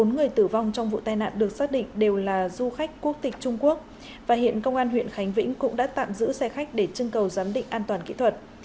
bốn người tử vong trong vụ tai nạn được xác định đều là du khách quốc tịch trung quốc và hiện công an huyện khánh vĩnh cũng đã tạm giữ xe khách để chân cầu giám định an toàn kỹ thuật